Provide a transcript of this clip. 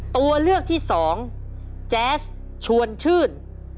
ตัวเลือกที่สองแจ๊สชวนชื่น